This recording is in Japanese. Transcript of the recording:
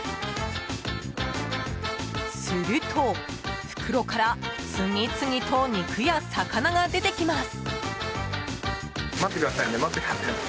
すると、袋から次々と肉や魚が出てきます。